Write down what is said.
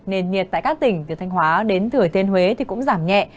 nền nhiệt tại các tỉnh từ thanh hóa đến thừa thiên huế cũng giảm nhẹ